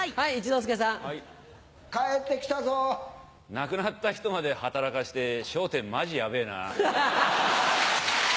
亡くなった人まで働かせて『笑点』マジやべぇな。